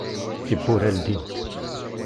Tiwwura ldint.